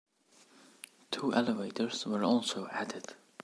Two elevators were also added.